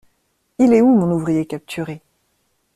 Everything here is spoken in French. Il est où mon ouvrier capturé?